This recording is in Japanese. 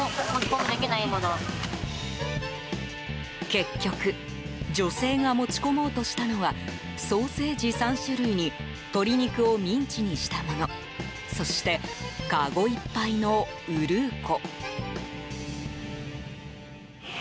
結局、女性が持ち込もうとしたのはソーセージ３種類に鶏肉をミンチにしたものそしてかごいっぱいのウルーコ。